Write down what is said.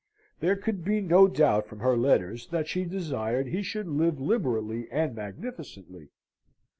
There could be no doubt from her letters that she desired he should live liberally and magnificently.